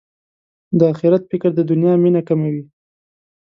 د اخرت فکر د دنیا مینه کموي.